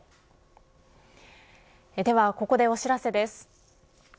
ではここでお知らせです。